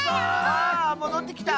あもどってきた。